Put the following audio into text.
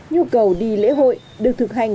nhu cầu đi lễ hội được thực hành